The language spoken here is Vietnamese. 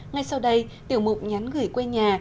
ngay sau đây tiểu mục nhắn gửi quê nhà